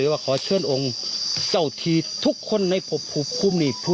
ยากได้ของเส้นของเบลงบ้อย